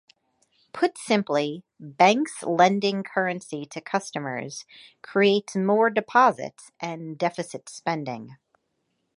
Put simply, banks lending currency to customers creates more deposits and deficit spending.